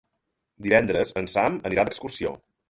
Divendres en Sam anirà d'excursió.